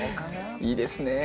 いいですね。